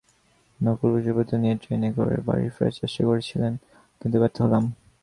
নকল পরিচয়পত্র নিয়ে ট্রেনে করে বাড়ি ফেরার চেষ্টা করেছিলাম, কিন্তু ব্যর্থ হলাম।